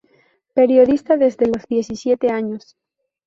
Periodista desde los diecisiete años.